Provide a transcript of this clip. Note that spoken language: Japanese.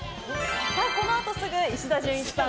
このあとすぐ石田純一さん